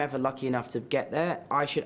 saya harus berusaha secara bergantung